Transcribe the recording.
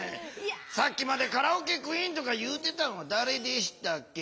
さっきまでカラオケクイーンとか言うてたんはだれでしたっけ？